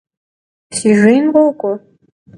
Si khejın khok'ue.